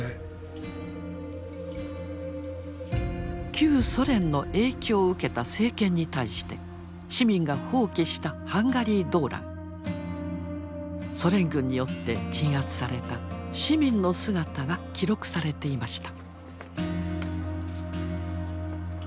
旧ソ連の影響を受けた政権に対して市民が蜂起したソ連軍によって鎮圧された市民の姿が記録されていました。